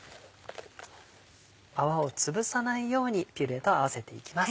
泡をつぶさないようにピューレと合わせていきます。